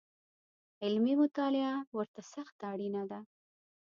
علمي مطالعه ورته سخته اړینه ده